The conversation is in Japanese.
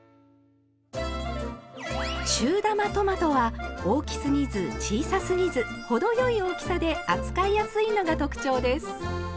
中玉トマトは大きすぎず小さすぎず程よい大きさで扱いやすいのが特徴です。